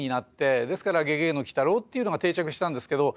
ですから「ゲゲゲの鬼太郎」っていうのが定着したんですけど。